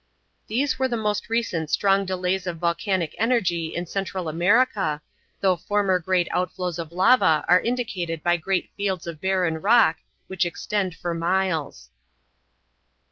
These were the most recent strong displays of volcanic energy in Central America, though former great outflows of lava are indicated by great fields of barren rock, which extend for miles.